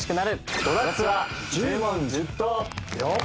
ドラツア１０問１０答。